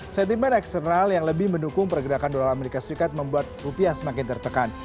sentimen eksternal yang lebih mendukung pergerakan dolar amerika serikat membuat rupiah semakin tertekan